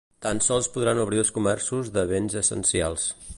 Tan sols podran obrir els comerços de béns essencials.